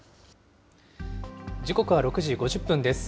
時刻は６時５０分です。